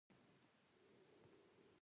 بيا په ښۍ پښې او دعا سره جومات ته ور دننه شو